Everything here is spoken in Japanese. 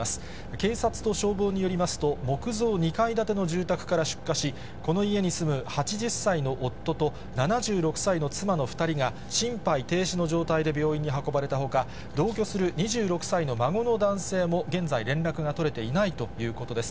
警察と消防によりますと、木造２階建ての住宅から出火し、この家に住む８０歳の夫と７６歳の妻の２人が、心肺停止の状態で病院に運ばれたほか、同居する２６歳の孫の男性も現在、連絡が取れていないということです。